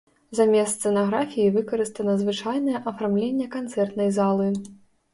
Замест сцэнаграфіі выкарыстана звычайнае афармленне канцэртнай залы.